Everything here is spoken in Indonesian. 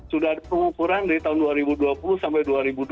sudah ada pengukuran dari tahun dua ribu dua puluh sampai dua ribu dua puluh